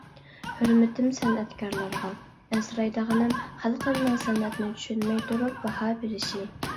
ھۆرمىتىم سەنئەتكارلارغا. ئەنسىرەيدىغىنىم خەلقىمنىڭ سەنئەتنى چۈشەنمەي تۇرۇپ باھا بېرىشى.